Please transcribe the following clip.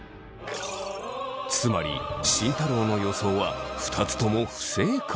つまり慎太郎の予想は２つとも不正解。